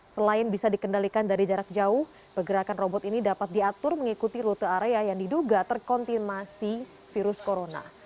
selain bisa dikendalikan dari jarak jauh pergerakan robot ini dapat diatur mengikuti rute area yang diduga terkontimasi virus corona